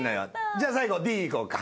じゃあ最後Ｄいこうか。